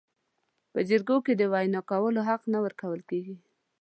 په جرګو کې د وینا کولو حق نه ورکول کیږي.